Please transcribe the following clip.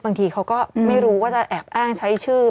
บางทีเขาก็ไม่รู้ว่าจะแอบอ้างใช้ชื่อ